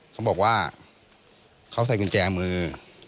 เขาบอกว่าเขาใส่กุญแจมือ